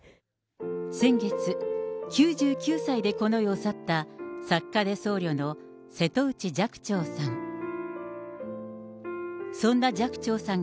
先月、９９歳でこの世を去った、作家で僧侶の瀬戸内寂聴さん。